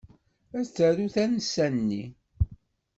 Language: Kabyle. Ad taru tansa-nni.